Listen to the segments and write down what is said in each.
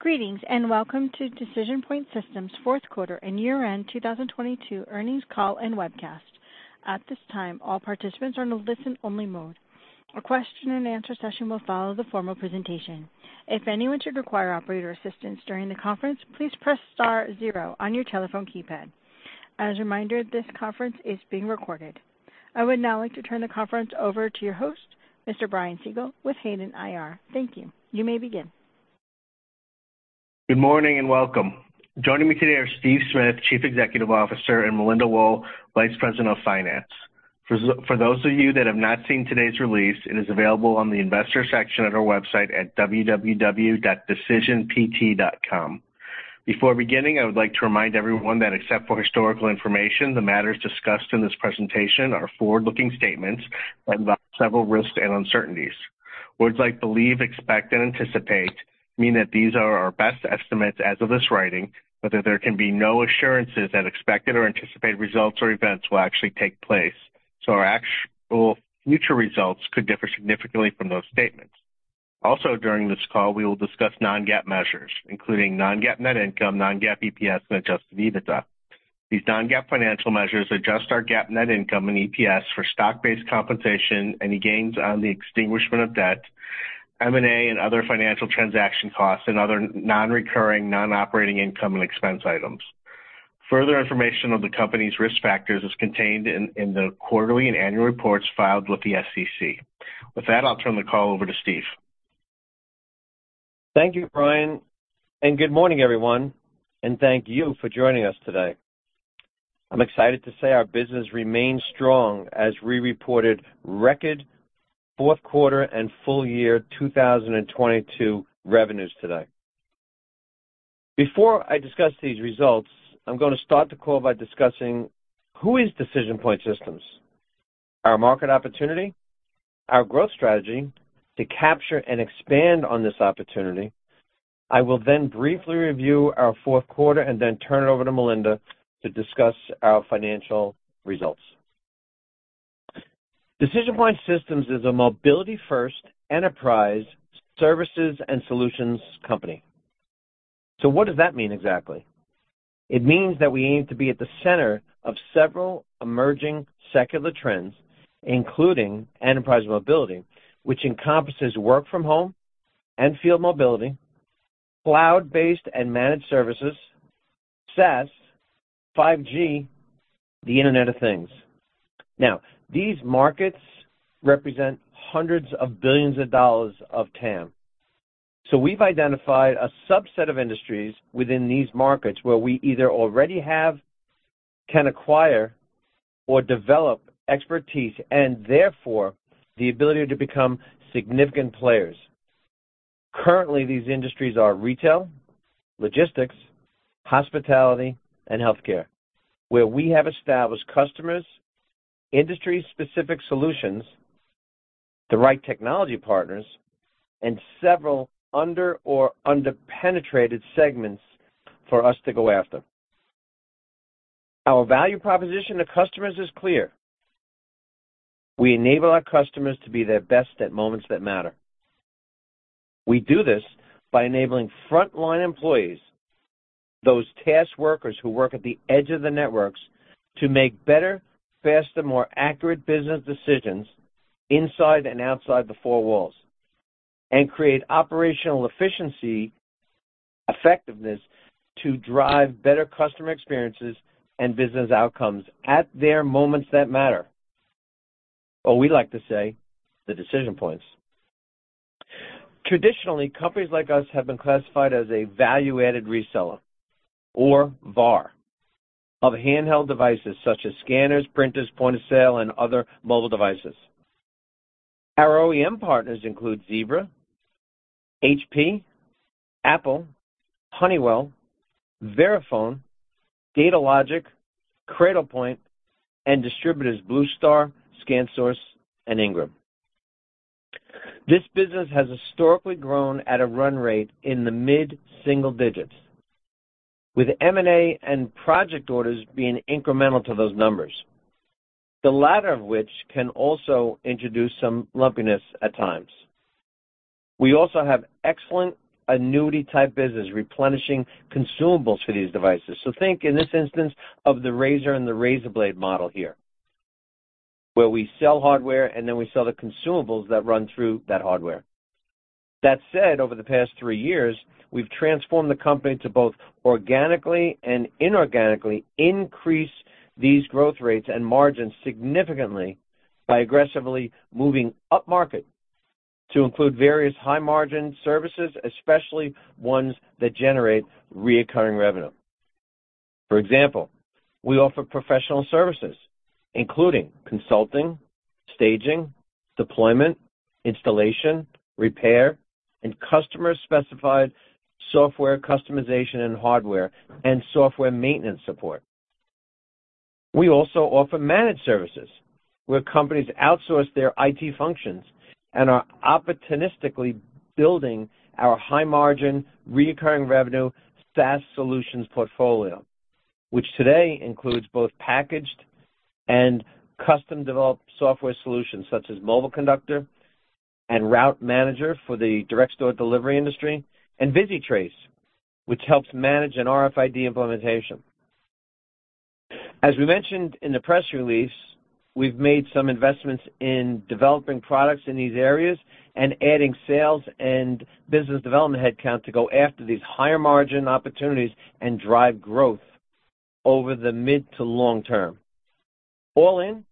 Greetings, welcome to DecisionPoint Systems' fourth quarter and year-end 2022 earnings call and webcast. At this time, all participants are in a listen-only mode. A question and answer session will follow the formal presentation. If anyone should require operator assistance during the conference, please press star zero on your telephone keypad. As a reminder, this conference is being recorded. I would now like to turn the conference over to your host, Mr. Brian Siegel, with Hayden IR. Thank you. You may begin. Good morning and welcome. Joining me today are Steve Smith, Chief Executive Officer, and Melinda Wohl, Vice President of Finance. For those of you that have not seen today's release, it is available on the investor section of our website at www.decisionpt.com. Before beginning, I would like to remind everyone that, except for historical information, the matters discussed in this presentation are forward-looking statements that involve several risks and uncertainties. Words like believe, expect, and anticipate mean that these are our best estimates as of this writing, but that there can be no assurances that expected or anticipated results or events will actually take place. Our actual future results could differ significantly from those statements. During this call, we will discuss non-GAAP measures, including non-GAAP net income, non-GAAP EPS, and adjusted EBITDA. These non-GAAP financial measures adjust our GAAP net income and EPS for stock-based compensation, any gains on the extinguishment of debt, M&A and other financial transaction costs and other non-recurring, non-operating income and expense items. Further information on the company's risk factors is contained in the quarterly and annual reports filed with the SEC. I'll turn the call over to Steve. Thank you, Brian, and good morning, everyone, and thank you for joining us today. I'm excited to say our business remains strong as we reported record fourth quarter and full year 2022 revenues today. Before I discuss these results, I'm gonna start the call by discussing who is DecisionPoint Systems, our market opportunity, our growth strategy to capture and expand on this opportunity. I will then briefly review our fourth quarter and then turn it over to Melinda to discuss our financial results. DecisionPoint Systems is a mobility-first enterprise services and solutions company. What does that mean exactly? It means that we aim to be at the center of several emerging secular trends, including enterprise mobility, which encompasses work from home and field mobility, cloud-based and managed services, SaaS, 5G, the Internet of Things. These markets represent $ hundreds of billions of TAM. We've identified a subset of industries within these markets where we either already have, can acquire, or develop expertise and therefore the ability to become significant players. Currently, these industries are retail, logistics, hospitality, and healthcare, where we have established customers, industry-specific solutions, the right technology partners, and several under-penetrated segments for us to go after. Our value proposition to customers is clear. We enable our customers to be their best at moments that matter. We do this by enabling frontline employees, those task workers who work at the edge of the networks, to make better, faster, more accurate business decisions inside and outside the four walls and create operational efficiency, effectiveness to drive better customer experiences and business outcomes at their moments that matter, or we like to say the decision points. Traditionally, companies like us have been classified as a value-added reseller or VAR of handheld devices such as scanners, printers, point of sale, and other mobile devices. Our OEM partners include Zebra, HP, Apple, Honeywell, Verifone, Datalogic, Cradlepoint, and distributors BlueStar, ScanSource, and Ingram. This business has historically grown at a run rate in the mid-single digits, with M&A and project orders being incremental to those numbers, the latter of which can also introduce some lumpiness at times. We also have excellent annuity-type business, replenishing consumables for these devices. Think in this instance of the razor and the razor blade model here, where we sell hardware, and then we sell the consumables that run through that hardware. That said, over the past three years, we've transformed the company to both organically and inorganically increase these growth rates and margins significantly by aggressively moving upmarket to include various high-margin services, especially ones that generate reoccurring revenue. For example, we offer professional services, including consulting, staging, deployment, installation, repair, and customer-specified software customization and hardware and software maintenance support. We also offer managed services, where companies outsource their IT functions and are opportunistically building our high-margin, reoccurring revenue, SaaS solutions portfolio, which today includes both packaged and custom developed software solutions such as MobileConductor and Route Manager for the direct store delivery industry, and ViziTrace, which helps manage an RFID implementation. As we mentioned in the press release, we've made some investments in developing products in these areas and adding sales and business development headcount to go after these higher margin opportunities and drive growth over the mid to long term. All in,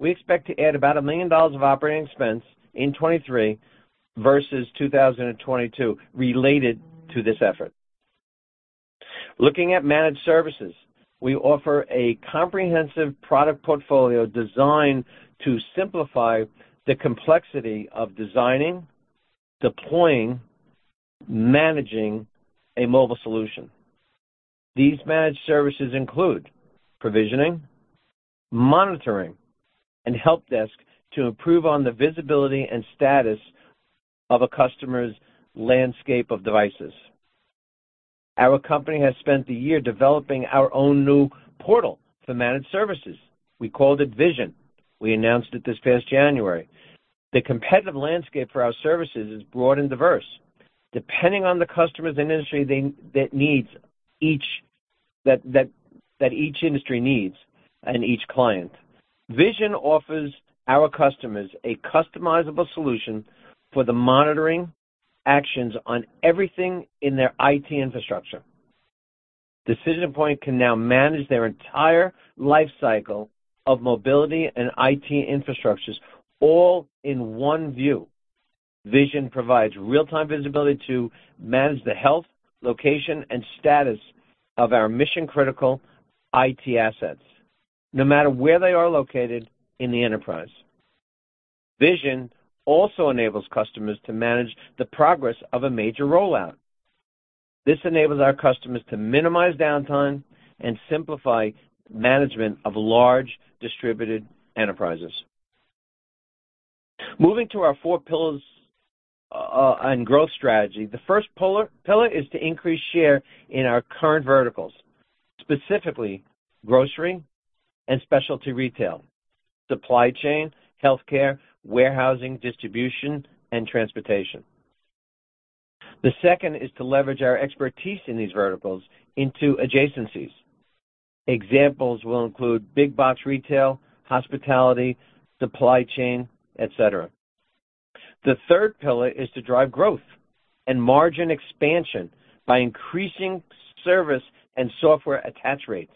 we expect to add about $1 million of OpEx in 2023 versus 2022 related to this effort. Looking at managed services, we offer a comprehensive product portfolio designed to simplify the complexity of designing, deploying, managing a mobile solution. These managed services include provisioning, monitoring, and help desk to improve on the visibility and status of a customer's landscape of devices. Our company has spent the year developing our own new portal for managed services. We called it Vision. We announced it this past January. The competitive landscape for our services is broad and diverse. Depending on the customer's industry, each industry needs and each client. Vision offers our customers a customizable solution for the monitoring actions on everything in their IT infrastructure. DecisionPoint can now manage their entire life cycle of mobility and IT infrastructures all in one view. Vision provides real-time visibility to manage the health, location, and status of our mission-critical IT assets, no matter where they are located in the enterprise. Vision also enables customers to manage the progress of a major rollout. This enables our customers to minimize downtime and simplify management of large distributed enterprises. Moving to our four pillars on growth strategy. The first pillar is to increase share in our current verticals, specifically grocery and specialty retail, supply chain, health care, warehousing, distribution, and transportation. The second is to leverage our expertise in these verticals into adjacencies. Examples will include big box retail, hospitality, supply chain, etc. The third pillar is to drive growth and margin expansion by increasing service and software attach rates.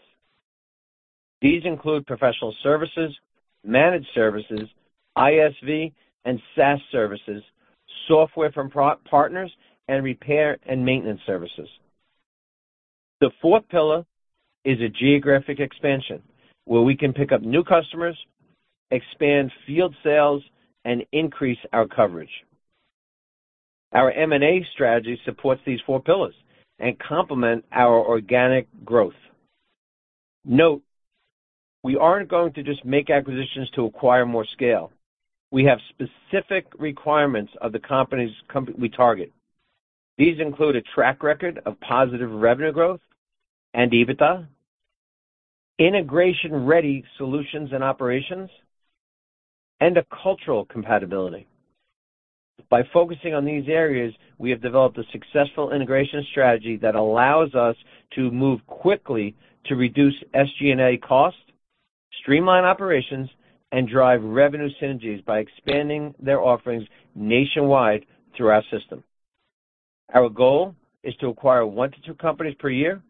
These include professional services, managed services, ISV and SaaS services, software from pro-partners, and repair and maintenance services. The fourth pillar is a geographic expansion, where we can pick up new customers, expand field sales, and increase our coverage. Our M&A strategy supports these four pillars and complement our organic growth. Note, we aren't going to just make acquisitions to acquire more scale. We have specific requirements of the company we target. These include a track record of positive revenue growth and EBITDA, integration-ready solutions and operations, and a cultural compatibility. By focusing on these areas, we have developed a successful integration strategy that allows us to move quickly to reduce SG&A costs, streamline operations, and drive revenue synergies by expanding their offerings nationwide through our system. Our goal is to acquire one to two companies per year,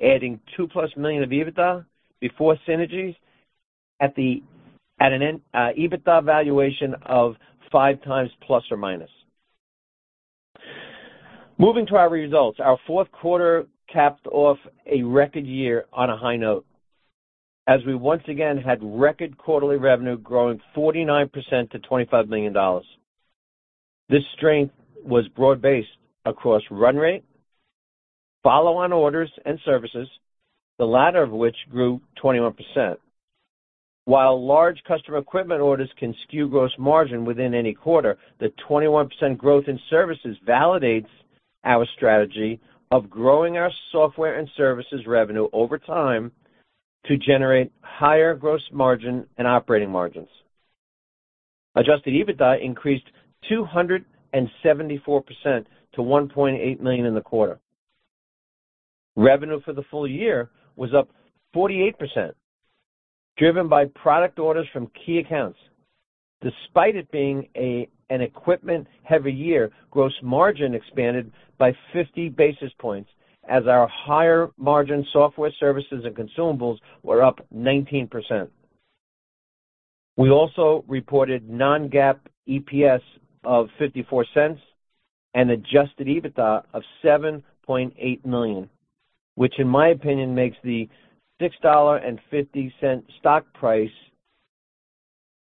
adding $2+ million of EBITDA before synergies at an EBITDA valuation of 5x ±. Moving to our results. Our fourth quarter capped off a record year on a high note, as we once again had record quarterly revenue growing 49% to $25 million. This strength was broad-based across run rate, follow-on orders, and services, the latter of which grew 21%. While large customer equipment orders can skew gross margin within any quarter, the 21% growth in services validates our strategy of growing our software and services revenue over time to generate higher gross margin and operating margins. Adjusted EBITDA increased 274% to $1.8 million in the quarter. Revenue for the full year was up 48%, driven by product orders from key accounts. Despite it being an equipment-heavy year, gross margin expanded by 50 basis points as our higher margin software services and consumables were up 19%. We also reported non-GAAP EPS of $0.54 and adjusted EBITDA of $7.8 million, which in my opinion, makes the $6.50 stock price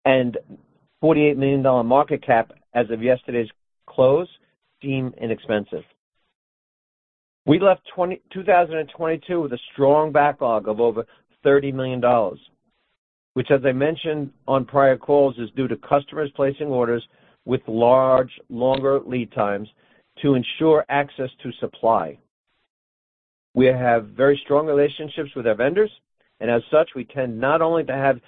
and $48 million market cap as of yesterday's close seem inexpensive. We left 2022 with a strong backlog of over $30 million, which as I mentioned on prior calls is due to customers placing orders with large, longer lead times to ensure access to supply. We have very strong relationships with our vendors. As such, we tend not only to have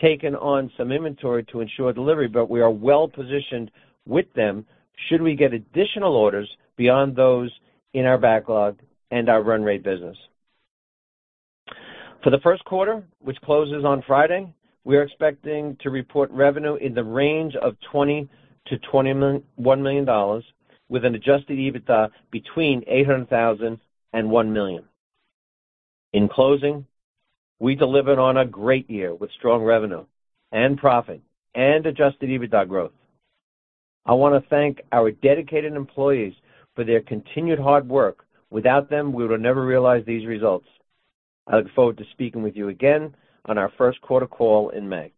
taken on some inventory to ensure delivery, but we are well-positioned with them should we get additional orders beyond those in our backlog and our run rate business. For the first quarter, which closes on Friday, we are expecting to report revenue in the range of $20 million-$21 million with an adjusted EBITDA between $800,000 and $1 million. In closing, we delivered on a great year with strong revenue and profit and adjusted EBITDA growth. I wanna thank our dedicated employees for their continued hard work. Without them, we would have never realized these results. I look forward to speaking with you again on our first quarter call in May.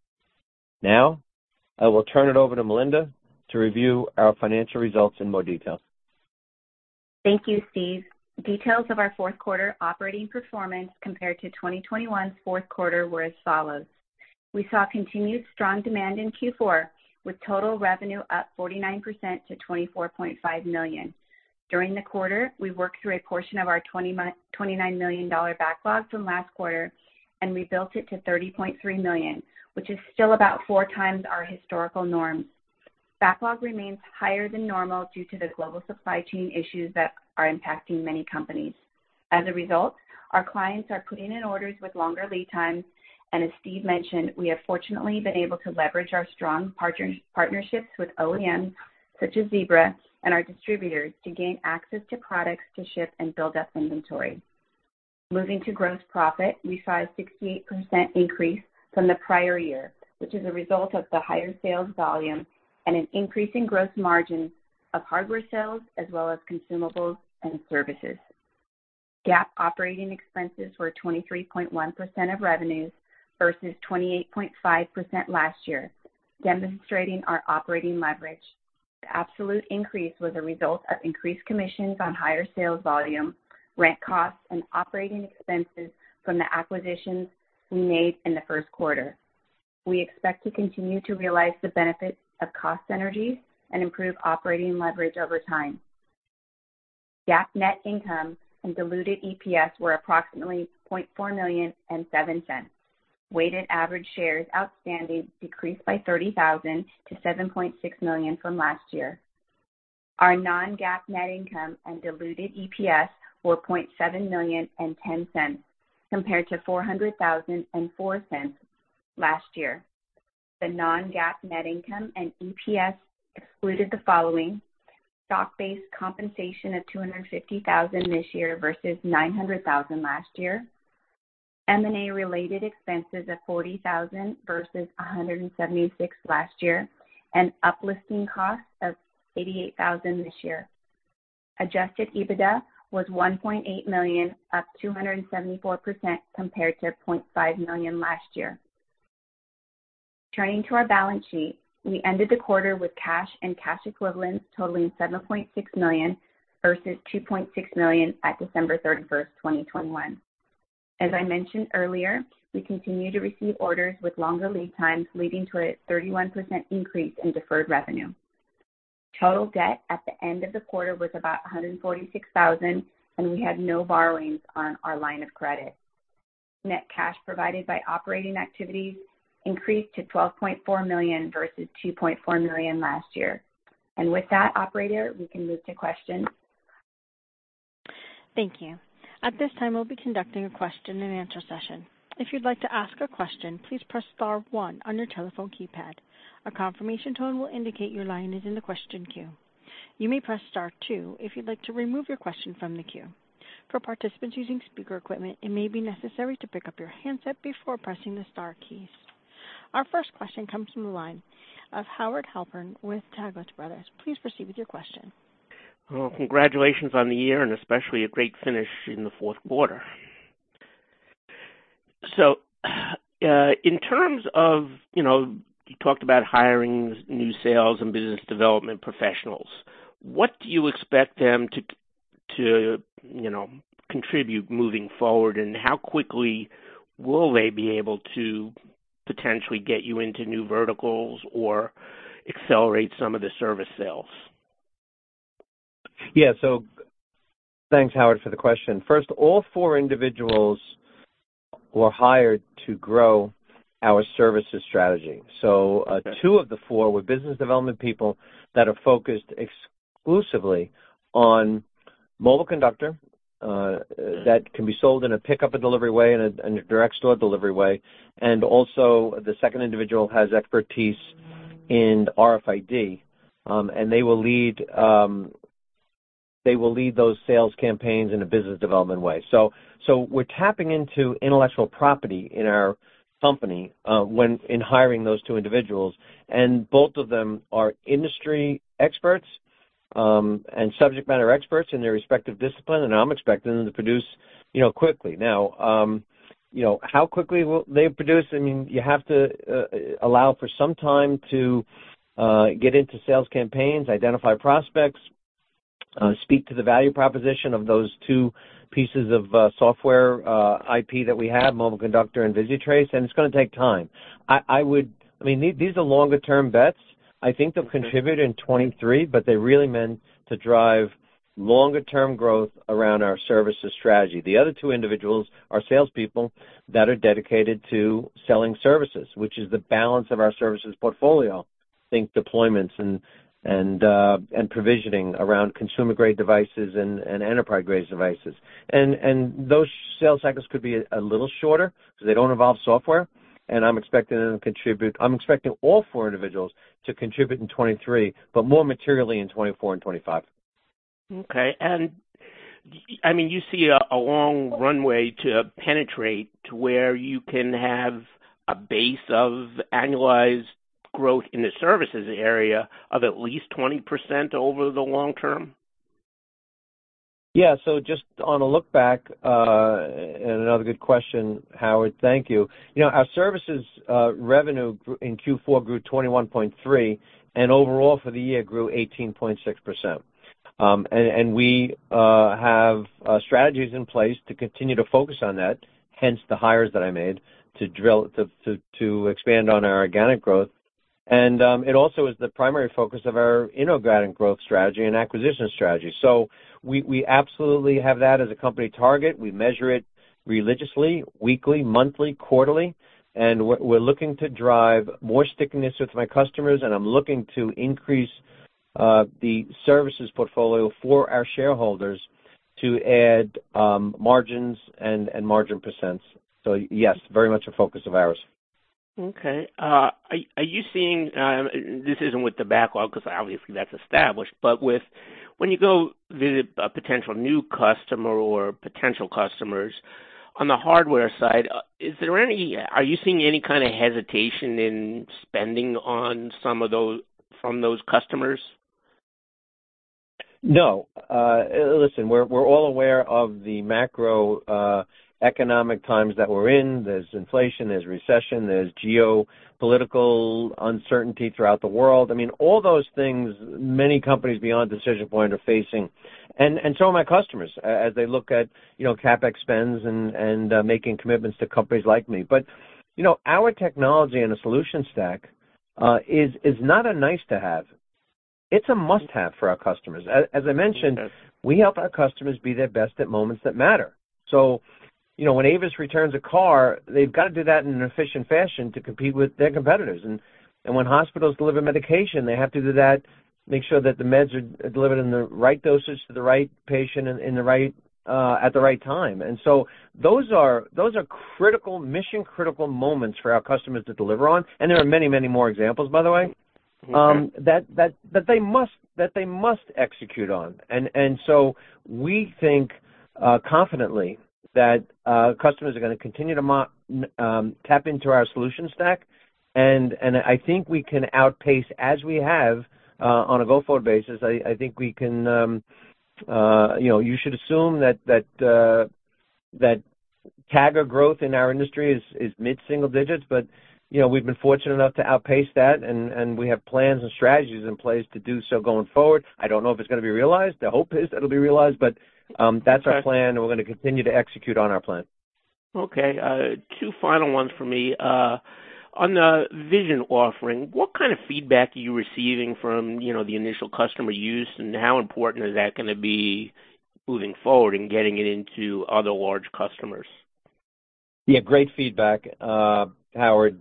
I will turn it over to Melinda to review our financial results in more detail. Thank you, Steve. Details of our fourth quarter operating performance compared to 2021's fourth quarter were as follows: We saw continued strong demand in Q4, with total revenue up 49% to $24.5 million. During the quarter, we worked through a portion of our $29 million backlog from last quarter and rebuilt it to $30.3 million, which is still about 4x our historical norm. Backlog remains higher than normal due to the global supply chain issues that are impacting many companies. As a result, our clients are putting in orders with longer lead times. As Steve mentioned, we have fortunately been able to leverage our strong partnerships with OEMs such as Zebra and our distributors to gain access to products to ship and build up inventory. Moving to gross profit, we saw a 68% increase from the prior year, which is a result of the higher sales volume and an increase in gross margin of hardware sales as well as consumables and services. GAAP operating expenses were 23.1% of revenues versus 28.5% last year, demonstrating our operating leverage. The absolute increase was a result of increased commissions on higher sales volume, rent costs, and operating expenses from the acquisitions we made in the first quarter. We expect to continue to realize the benefits of cost synergies and improve operating leverage over time. GAAP net income and diluted EPS were approximately $0.4 million and $0.07. Weighted average shares outstanding decreased by 30,000 to 7.6 million from last year. Our non-GAAP net income and diluted EPS were $0.7 million and $0.10 compared to $400,000 and $0.04 last year. The non-GAAP net income and EPS excluded the following: stock-based compensation of $250,000 this year versus $900,000 last year, M&A-related expenses of $40,000 versus $176,000 last year, and uplifting costs of $88,000 this year. Adjusted EBITDA was $1.8 million, up 274% compared to $0.5 million last year. Turning to our balance sheet, we ended the quarter with cash and cash equivalents totaling $7.6 million versus $2.6 million at December 31st, 2021. As I mentioned earlier, we continue to receive orders with longer lead times, leading to a 31% increase in deferred revenue. Total debt at the end of the quarter was about $146,000. We had no borrowings on our line of credit. Net cash provided by operating activities increased to $12.4 million versus $2.4 million last year. With that operator, we can move to questions. Thank you. At this time, we'll be conducting a question and answer session. If you'd like to ask a question, please press Star one on your telephone keypad. A confirmation tone will indicate your line is in the question queue. You may press Star two if you'd like to remove your question from the queue. For participants using speaker equipment, it may be necessary to pick up your handset before pressing the Star keys. Our first question comes from the line of Howard Halpern with Taglich Brothers. Please proceed with your question. Well, congratulations on the year and especially a great finish in the fourth quarter. In terms of, you know, you talked about hiring new sales and business development professionals, what do you expect them to, you know, contribute moving forward, and how quickly will they be able to potentially get you into new verticals or accelerate some of the service sales? Yeah. Thanks, Howard, for the question. First, all four individuals were hired to grow our services strategy. Two of the four were business development people that are focused exclusively on MobileConductor that can be sold in a pickup and delivery way and a direct store delivery way. Also the second individual has expertise in RFID, they will lead those sales campaigns in a business development way. We're tapping into intellectual property in our company when in hiring those two individuals, both of them are industry experts, subject matter experts in their respective discipline. I'm expecting them to produce, you know, quickly. Now, you know how quickly will they produce? I mean, you have to allow for some time to get into sales campaigns, identify prospects. Speak to the value proposition of those two pieces of software IP that we have, MobileConductor and ViziTrace, and it's gonna take time. I mean, these are longer term bets. I think they'll contribute in 2023, but they're really meant to drive longer term growth around our services strategy. The other two individuals are salespeople that are dedicated to selling services, which is the balance of our services portfolio. Think deployments and provisioning around consumer-grade devices and enterprise-grade devices. Those sales cycles could be a little shorter because they don't involve software, and I'm expecting them to contribute. I'm expecting all four individuals to contribute in 2023, but more materially in 2024 and 2025. Okay. I mean, you see a long runway to penetrate to where you can have a base of annualized growth in the services area of at least 20% over the long term? Yeah. Just on a look back, and another good question, Howard, thank you. You know, our services revenue in Q4 grew 21.3, and overall for the year grew 18.6%. We have strategies in place to continue to focus on that, hence the hires that I made to expand on our organic growth. It also is the primary focus of our inorganic growth strategy and acquisition strategy. We absolutely have that as a company target. We measure it religiously, weekly, monthly, quarterly, and we're looking to drive more stickiness with my customers, and I'm looking to increase the services portfolio for our shareholders to add margins and margin percents. Yes, very much a focus of ours. Okay. Are you seeing this isn't with the backlog because obviously that's established, but with when you go visit a potential new customer or potential customers on the hardware side, Are you seeing any kind of hesitation in spending on some of those from those customers? Listen, we're all aware of the macroeconomic times that we're in. There's inflation, there's recession, there's geopolitical uncertainty throughout the world. I mean, all those things many companies beyond DecisionPoint Systems are facing, and so are my customers as they look at, you know, CapEx spends and, making commitments to companies like me. You know, our technology and the solution stack is not a nice to have. It's a must-have for our customers. As I mentioned. Okay we help our customers be their best at moments that matter. You know, when Avis returns a car, they've got to do that in an efficient fashion to compete with their competitors. When hospitals deliver medication, they have to do that, make sure that the meds are delivered in the right dosage to the right patient in the right, at the right time. Those are critical, mission-critical moments for our customers to deliver on. There are many, many more examples, by the way. Okay that they must execute on. We think confidently that customers are going to continue to tap into our solution stack. I think we can outpace as we have on a go-forward basis. I think we can, you know, you should assume that CAGR or growth in our industry is mid-single digits. You know, we've been fortunate enough to outpace that, and we have plans and strategies in place to do so going forward. I don't know if it's going to be realized. The hope is it'll be realized. That's our plan, and we're going to continue to execute on our plan. Okay. Two final ones for me. On the Vision offering, what kind of feedback are you receiving from, you know, the initial customer use, and how important is that gonna be moving forward in getting it into other large customers? Yeah, great feedback, Howard.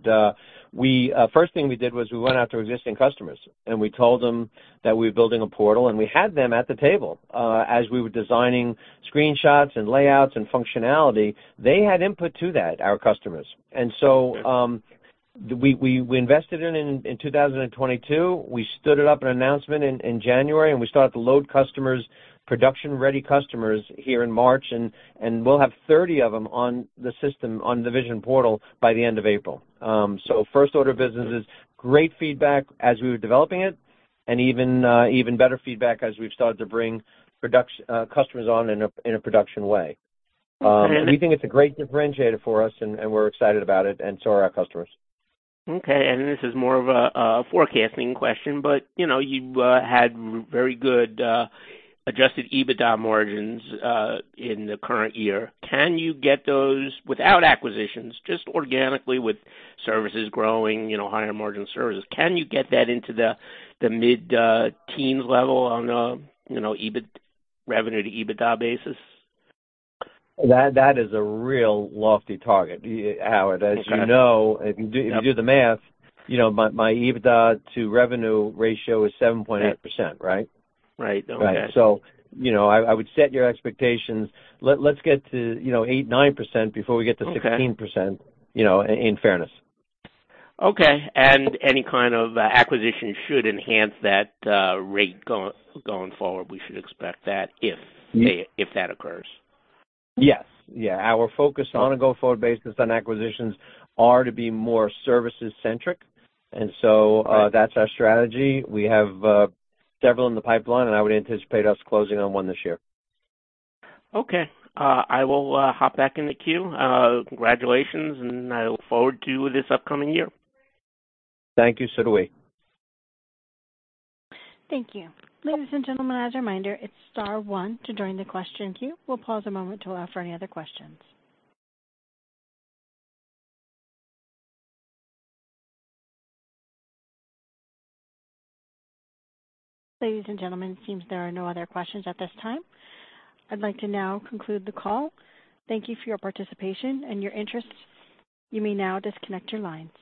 First thing we did was we went out to existing customers. We told them that we were building a portal. We had them at the table, as we were designing screenshots and layouts and functionality. They had input to that, our customers. Okay. We invested in 2022. We stood it up in announcement in January, and we started to load customers, production-ready customers here in March. We'll have 30 of them on the system, on the Vision portal by the end of April. First order of business is great feedback as we were developing it and even better feedback as we've started to bring customers on in a production way. Okay. We think it's a great differentiator for us, and we're excited about it and so are our customers. Okay. This is more of a forecasting question, but, you know, you've had very good adjusted EBITDA margins in the current year. Can you get those without acquisitions, just organically with services growing, you know, higher margin services, can you get that into the mid teens level on a, you know, revenue to EBITDA basis? That is a real lofty target, Howard. As you know, if you do the math, you know, my EBITDA to revenue ratio is 7.8%, right? Right. Okay. Right. you know, I would set your expectations. Let's get to, you know, 8%, 9% before we get to 16%. Okay You know, in fairness. Okay. Any kind of acquisition should enhance that rate going forward. We should expect that if. Yeah if that occurs. Yes. Yeah. Our focus on a go-forward basis on acquisitions are to be more services centric. That's our strategy. We have several in the pipeline, and I would anticipate us closing on one this year. Okay. I will hop back in the queue. Congratulations, and I look forward to this upcoming year. Thank you. Do we. Thank you. Ladies and gentlemen, as a reminder, it's Star one to join the question queue. We'll pause a moment to allow for any other questions. Ladies and gentlemen, it seems there are no other questions at this time. I'd like to now conclude the call. Thank you for your participation and your interest. You may now disconnect your lines.